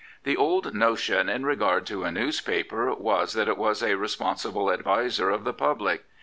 The old notion in regard to a newspaper was that it was a responsible adviser of the public.